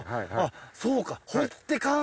そうか。